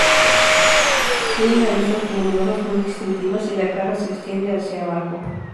Tienen aristas plumosas muy distintivas y la cara se extiende hacia abajo.